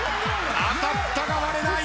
当たったが割れない。